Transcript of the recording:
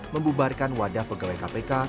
membubarkan wadah pegawai kpk